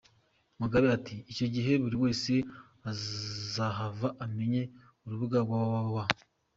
Mugabe ati “Icyo gihe buri wese azahava amenye urubuga www.